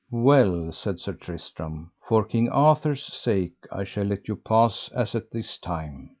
Well, said Sir Tristram, for King Arthur's sake I shall let you pass as at this time.